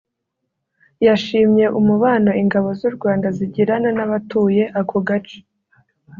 yashimye umubano ingabo z’ u Rwanda zigirana n’ abatuye ako gace